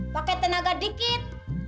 pakai tenaga dikit